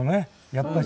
やっぱし。